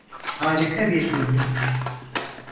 Harika bir gündü.